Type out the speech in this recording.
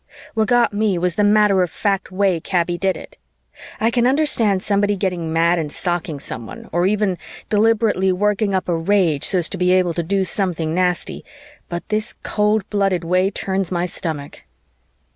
What got me was the matter of fact way Kaby did it. I can understand somebody getting mad and socking someone, or even deliberately working up a rage so as to be able to do something nasty, but this cold blooded way turns my stomach.